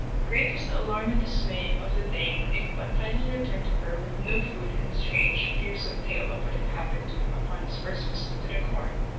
Great was the alarm and dismay of the Dame when Ichabod finally returned to her with no food and a strange fearsome tale of what had happened to him upon his first visit to the corn.